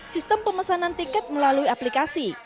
sistem pemesanan tiket melalui aplikasi